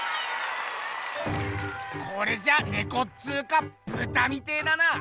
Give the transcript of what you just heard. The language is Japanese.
これじゃネコっつうかブタみてえだな！